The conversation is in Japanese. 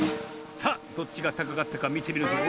さあどっちがたかかったかみてみるぞ。